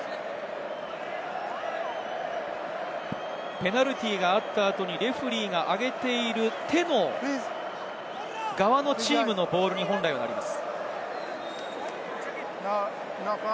ペナルティーがあった後にレフェリーが挙げている手の側のチームに本来はなります。